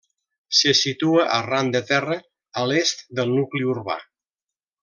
Se situa arran de terra, a l'est del nucli urbà.